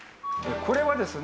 これはですね